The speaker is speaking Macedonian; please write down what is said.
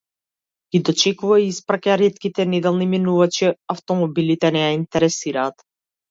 Ги дочекува и испраќа ретките неделни минувачи, автомобилите не ја интересираат.